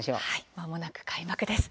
まもなく開幕です。